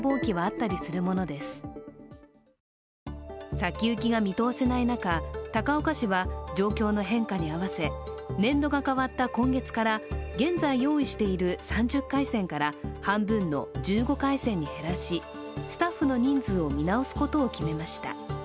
先行きが見通せない中、高岡市は状況の変化に合わせ年度が変わった今月から、現在用意している３０回線から半分の１５回線に減らしスタッフの人数を見直すことを決めました。